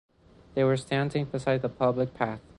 They were standing beside the public path.